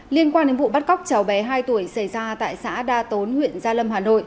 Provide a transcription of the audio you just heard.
liên quan đến vụ bắt cóc cháu bé hai tuổi xảy ra tại xã đa tốn huyện gia lâm hà nội